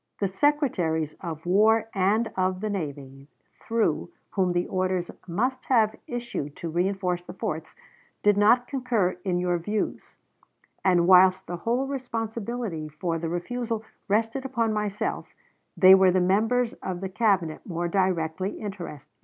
The Secretaries of War and of the Navy, through, whom the orders must have issued to reenforce the forts, did not concur in your views; and whilst the whole responsibility for the refusal rested upon myself, they were the members of the Cabinet more directly interested.